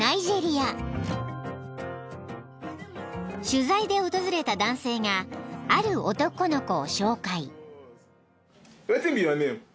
［取材で訪れた男性がある男の子を紹介］